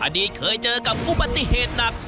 อดีตเคยเจอกับอุบัติเหตุหนัก